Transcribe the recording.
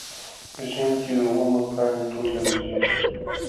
په ژمي کې د ونو پاڼې ټولې رژېږي.